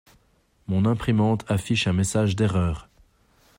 Mon imprimante affiche un message d'erreur.